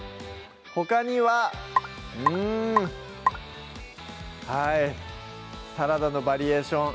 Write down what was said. ほかにはうんはいサラダのバリエーション